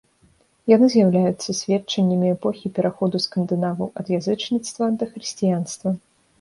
Яны з'яўляюцца сведчаннямі эпохі пераходу скандынаваў ад язычніцтва да хрысціянства.